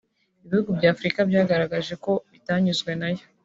ibihugu bya Afurika byagaragaje ko bitanyuzwe na yo